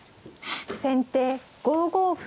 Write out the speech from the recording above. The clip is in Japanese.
先手５五歩。